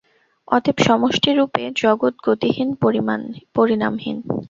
অতএব সমষ্টিরূপে জগৎ গতিহীন, পরিণামহীন।